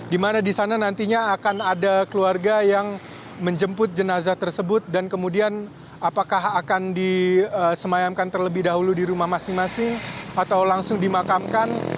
di mana di sana nantinya akan ada keluarga yang menjemput jenazah tersebut dan kemudian apakah akan disemayamkan terlebih dahulu di rumah masing masing atau langsung dimakamkan